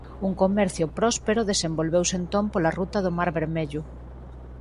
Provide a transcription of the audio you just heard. Un comercio próspero desenvolveuse entón pola ruta do mar Vermello.